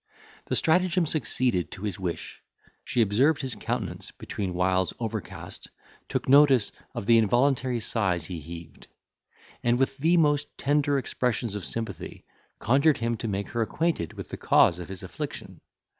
The stratagem succeeded to his wish. She observed his countenance between whiles overcast, took notice of the involuntary sighs he heaved; and, with the most tender expressions of sympathy, conjured him to make her acquainted with the cause of his affliction.